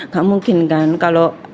gak mungkin kan kalau